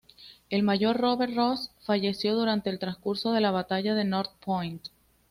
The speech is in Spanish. El mayor Robert Ross falleció durante el transcurso de la batalla de North Point.